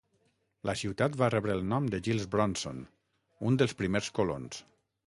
La ciutat va rebre el nom de Giles Bronson, un dels primers colons.